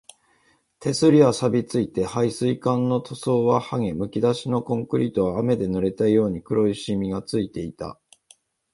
手すりは錆ついて、配水管の塗装ははげ、むき出しのコンクリートは雨で濡れたように黒いしみがついていた